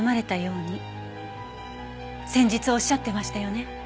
先日おっしゃってましたよね？